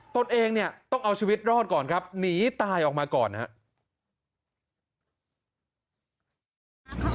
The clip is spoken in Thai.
ตนเองเนี่ยต้องเอาชีวิตรอดก่อนครับหนีตายออกมาก่อนนะครับ